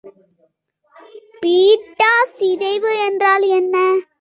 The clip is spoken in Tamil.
பீட்டா சிதைவு என்றால் என்ன?